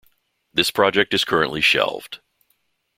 This project is currently shelved.